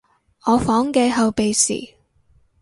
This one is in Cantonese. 我房嘅後備匙